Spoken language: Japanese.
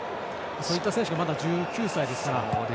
こういった選手がまだ１９歳ですから。